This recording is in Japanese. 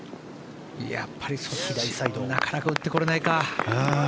やっぱりなかなか打ってこれないか。